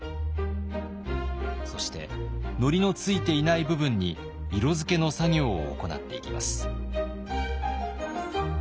そしてのりのついていない部分に色付けの作業を行っていきます。